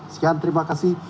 sekian terima kasih